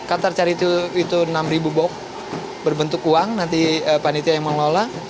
qatar cari itu enam ribu bok berbentuk uang nanti panitia yang mengelola